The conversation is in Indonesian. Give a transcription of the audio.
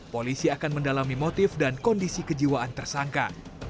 polisi akan mendalami motif dan kondisi kejiwaan tersangka